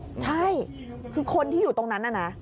ใช่คือคนที่อยู่ตรงนั้นน่ะนะ